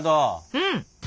うん。